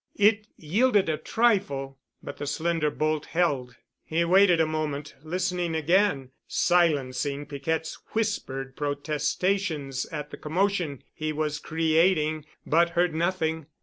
It yielded a trifle, but the slender bolt held. He waited a moment, listening again, silencing Piquette's whispered protestations at the commotion he was creating, but heard nothing.